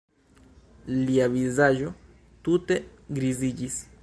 Lia vizaĝo tute griziĝis.